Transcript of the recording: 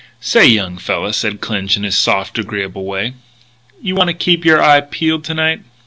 "Say, young fella," said Clinch in his soft, agreeable way, "you want to keep your eye peeled to night."